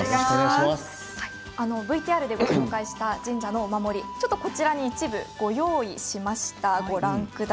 ＶＴＲでご紹介した神社のお守り一部、ご用意しました。